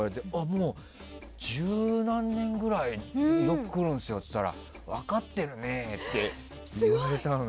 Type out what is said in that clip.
もう、十何年ぐらいでよく来るんですよって言ったら分かってるねえって言われたの。